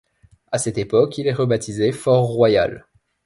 À cette époque, il est rebaptisé fort Royal.